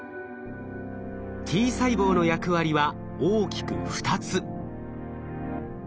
Ｔ細胞の役割は大きく２つ。